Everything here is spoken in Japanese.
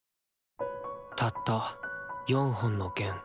たった４本の弦。